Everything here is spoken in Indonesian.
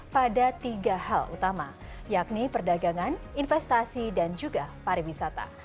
pada tiga hal utama yakni perdagangan investasi dan juga pariwisata